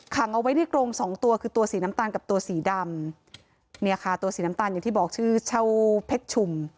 ขังเอาไว้ในกรงสองตัวคือตัวสีน้ำตาลกับตัวสีดำเนี่ยค่ะตัวสีน้ำตาลอย่างที่บอกชื่อเช่าเพชรชุม